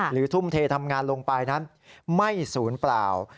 ทุ่มเททำงานลงไปนั้นไม่ศูนย์เปล่า